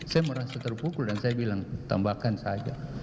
saya merasa terpukul dan saya bilang tambahkan saja